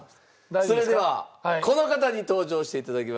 それではこの方に登場して頂きましょう。